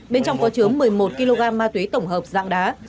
bên trong có chứa một mươi một kg ma túy tổng hợp dạng đá